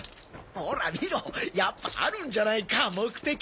ほらみろやっぱあるんじゃないか目的。